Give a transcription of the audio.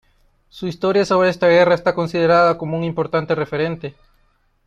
Su historia sobre esta guerra está considerada como un importante referente.